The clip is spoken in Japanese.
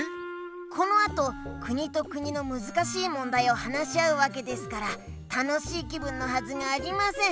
このあと国と国のむずかしいもんだいを話し合うわけですから楽しい気分のはずがありません。